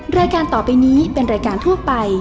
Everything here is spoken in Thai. รายการต่อไปนี้เป็นรายการทั่วไป